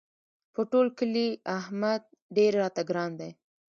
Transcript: په ټول کلي احمد ډېر راته ګران دی.